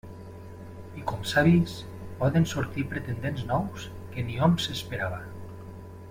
I com s'ha vist, poden sortir pretendents nous que ni hom s'esperava.